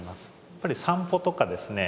やっぱり散歩とかですね